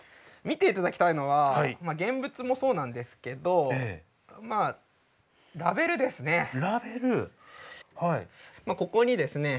見ていただきたいのは現物もそうなんですけどラベルですね。